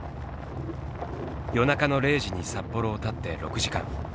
夜中の０時に札幌をたって６時間。